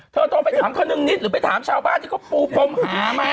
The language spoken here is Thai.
เธอต้องไปถามขนึงนิดหรือไปถามชาวบ้านที่ก็ปูปมหาไหม